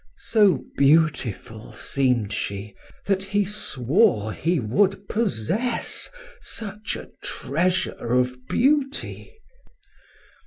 So beautiful seemed she that he swore he would possess such a treasure of beauty.